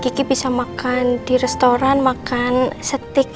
kiki bisa makan di restoran makan setik